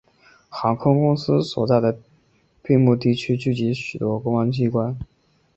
航空公园所在的并木地区聚集许多公共机关。